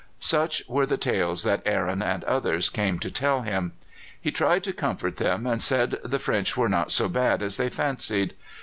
Such were the tales that Aaron and others came to tell him. He tried to comfort them, and said the French were not so bad as they fancied.